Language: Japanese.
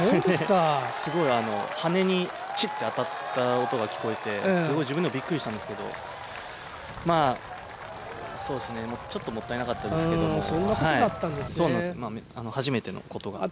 羽にチッって当たった音がしてすごいびっくりしたんですけどちょっともったいなかったですけど初めてのことがあって。